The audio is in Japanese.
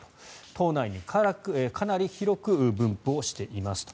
島内にかなり広く分布をしていますと。